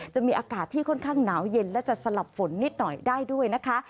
จะมีอากาศที่ค่อนข้างหนาวเย็นและจะสลับฝนนิดหน่อยได้ด้วยนะคะ